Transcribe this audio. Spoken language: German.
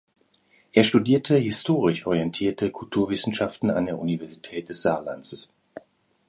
Er studierte Historisch orientierte Kulturwissenschaften an der Universität des Saarlandes.